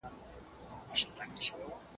معلم غني د شکر ویلو مشوره ورکړه.